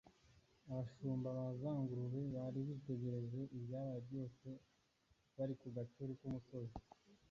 abashumba ba za ngurube bari bitegereje ibyabaye byose bari ku gacuri k’umusozi